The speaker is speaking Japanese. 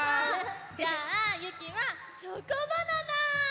じゃあゆきはチョコバナナ！